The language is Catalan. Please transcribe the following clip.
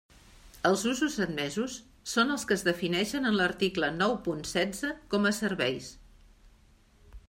Els usos admesos són els que es defineixen en l'article nou punt setze com a serveis.